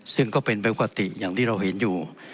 ซึ่งก็เป็นไปปกติอย่างที่เราเห็นอยู่